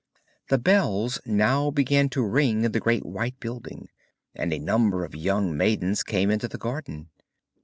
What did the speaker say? The bells now began to ring in the great white building, and a number of young maidens came into the garden.